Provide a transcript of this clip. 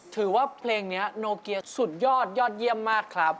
ถือว่าเพลงนี้โนเกียสุดยอดยอดเยี่ยมมากครับ